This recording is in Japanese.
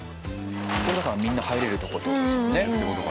これだからみんな入れるとこって事ですもんね。